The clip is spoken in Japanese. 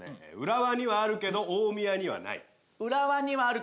「浦和にはあるけど大宮にはない」。